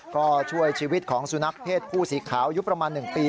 ก็ช่วยชีวิตของสุนัขเพศผู้สีขาวอายุประมาณ๑ปี